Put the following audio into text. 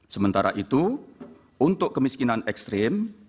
sementara itu untuk kemiskinan ekstrim